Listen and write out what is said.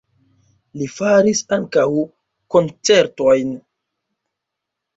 Li faris ankaŭ koncertojn.